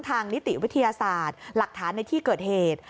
นิติวิทยาศาสตร์หลักฐานในที่เกิดเหตุ